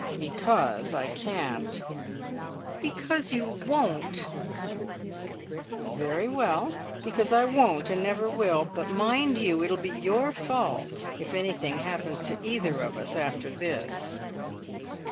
"Because I can't." "Because you won't!" "Very well, because I won't and never will! But, mind you, it'll be your fault if anything happens to either of us after this!"